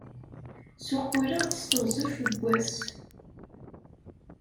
Ssuqquleɣ-d s teɣzef n wass.